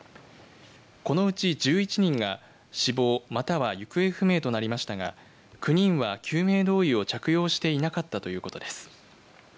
このうち１１人が死亡、または行方不明となりましたが９人は救命胴衣を着用していなかったということです。